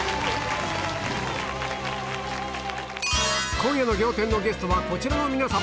今夜の『仰天』のゲストはこちらの皆さん